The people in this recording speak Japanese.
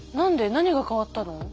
何が変わったの？